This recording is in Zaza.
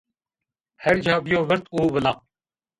Her ca bîyo virt û vila